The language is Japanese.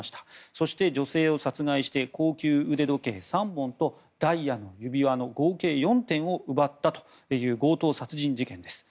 そして、女性を殺害して高級腕時計３本とダイヤの指輪の合計４点を奪ったという強盗殺人事件です。